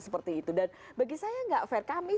seperti itu dan bagi saya nggak fair kami